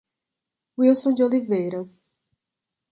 Wilson de Oliveira